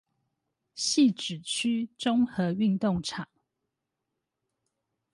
汐止區綜合運動場